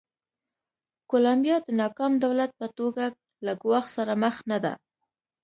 کولمبیا د ناکام دولت په توګه له ګواښ سره مخ نه ده.